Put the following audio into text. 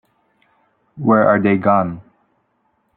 Where are they gone?